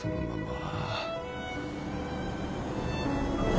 ああ。